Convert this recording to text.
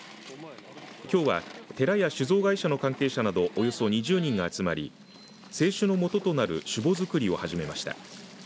きょうは寺や酒造会社の関係者などおよそ２０人が集まり清酒の元となる酒母づくりを始めました。